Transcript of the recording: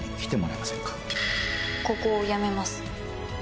ここを辞めます。